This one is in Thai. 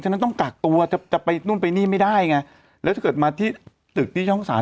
ฉะนั้นต้องกักตัวจะไปนู่นไปนี่ไม่ได้ไงแล้วถ้าเกิดมาที่ตึกที่ช่องสาม